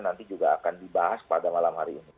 nanti juga akan dibahas pada malam hari ini